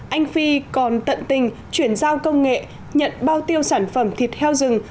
anh phi còn tận tình chuyển giao công nghệ nhận bao tiêu sản phẩm thịt heo rừng